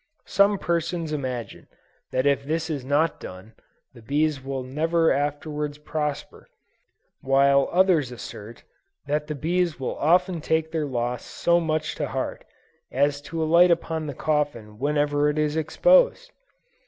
Some persons imagine that if this is not done, the bees will never afterwards prosper, while others assert, that the bees often take their loss so much to heart, as to alight upon the coffin whenever it is exposed!